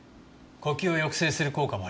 呼吸を抑制する効果もあります。